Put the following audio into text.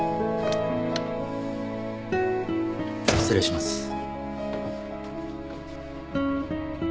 失礼します。